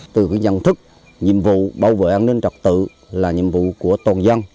từ nhận thức nhiệm vụ bảo vệ an ninh trật tự là nhiệm vụ của toàn dân